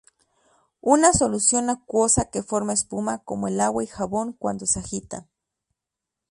Una solución acuosa que forma espuma, como el agua y jabón cuando se agitan.